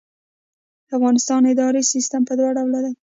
د افغانستان اداري سیسټم په دوه ډوله دی.